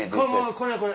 これこれ！